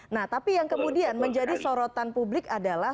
nah tapi yang kemudian menjadi sorotan publik adalah